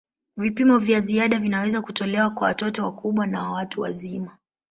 Vipimo vya ziada vinaweza kutolewa kwa watoto wakubwa na watu wazima.